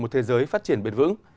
một thế giới phát triển bền vững